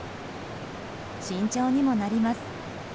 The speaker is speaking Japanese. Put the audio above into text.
慎重にもなります。